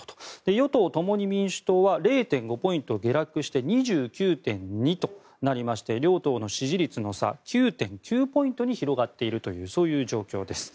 与党・共に民主党は０．５ポイント下落して２９．２となりまして両党の支持率の差９．９ポイントに広がっているという状況です。